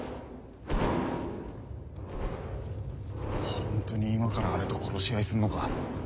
ホントに今からあれと殺し合いすんのか。